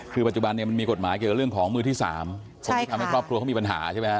คือปัจจุบันเนี่ยมันมีกฎหมายเกี่ยวกับเรื่องของมือที่๓คนที่ทำให้ครอบครัวเขามีปัญหาใช่ไหมฮ